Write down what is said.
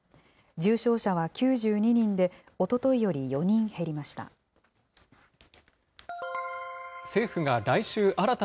重症者は９２人で、おとといより４人減りました。